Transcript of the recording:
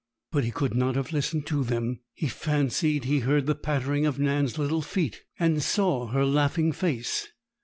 But he could not have listened to them. He fancied he heard the pattering of Nan's little feet, and saw her laughing face.